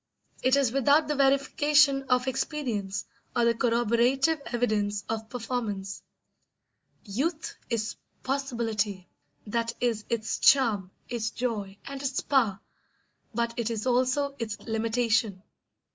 It is without the verification of experience or the corroborative evidence of performance. Youth is possibility; that is its charm, its joy, and its power; but it is also its limitation.